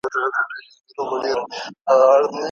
د دې بې دردو په ټاټوبي کي بازار نه لري